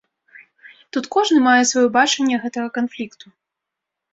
Тут кожны мае сваё бачанне гэтага канфлікту.